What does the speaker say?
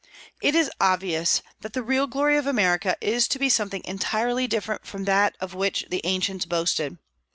It is obvious that the real glory of America is to be something entirely different from that of which the ancients boasted.